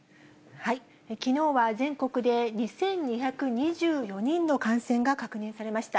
きのうは全国で２２２４人の感染が確認されました。